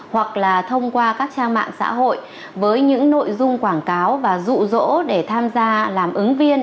hoặc là thông qua các trang mạng xã hội với những nội dung quảng cáo và rụ rỗ để tham gia làm ứng viên